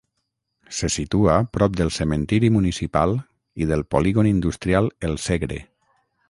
Se situa prop del cementiri municipal i del Polígon Industrial El Segre.